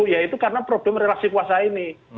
ya itu karena problem relaksi kuasa ini